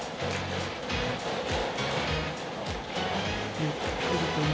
ゆっくりと今。